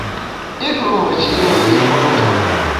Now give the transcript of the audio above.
I tuo meshi’ mi i kwet njap.